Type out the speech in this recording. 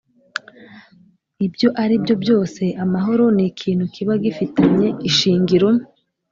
ibyo aribyo byose amahoro ni ikintu kiba gifitanye ishingiro